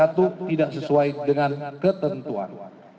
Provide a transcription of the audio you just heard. tidak sesuai dengan ketentuan